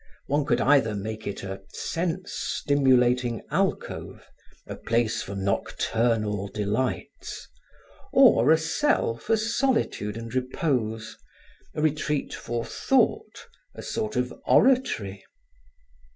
One could either make it a sense stimulating alcove, a place for nocturnal delights, or a cell for solitude and repose, a retreat for thought, a sort of oratory.